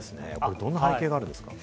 どんな背景があるんですか？